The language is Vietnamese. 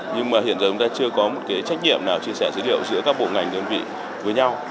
nhưng mà hiện giờ chúng ta chưa có một cái trách nhiệm nào chia sẻ dữ liệu giữa các bộ ngành đơn vị với nhau